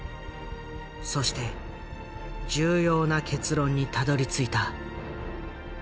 そして重要な結論にたどりついた。